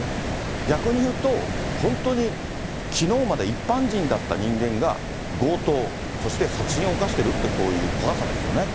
逆にいうと、本当にきのうまで一般人だった人間が、強盗、そして殺人を犯しているっていう怖さですよね。